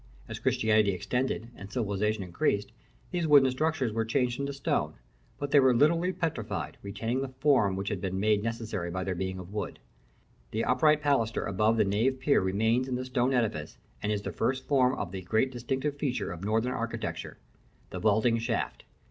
As Christianity extended and civilisation increased, these wooden structures were changed into stone; but they were literally petrified, retaining the form which had been made necessary by their being of wood. The upright pilaster above the nave pier remains in the stone edifice, and is the first form of the great distinctive feature of Northern architecture the vaulting shaft.